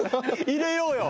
入れようよ！